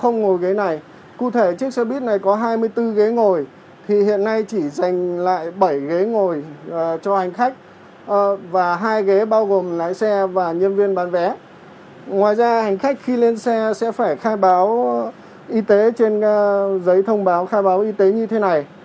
ngoài ra hành khách khi lên xe sẽ phải khai báo y tế trên giấy thông báo khai báo y tế như thế này